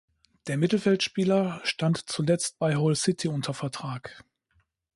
Der Mittelfeldspieler stand zuletzt bei Hull City unter Vertrag.